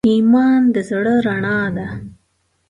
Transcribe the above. ایمان د زړه رڼا ده.